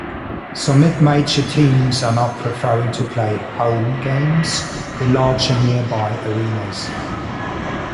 Some mid-major teams are now preferring to play "home" games in larger nearby arenas.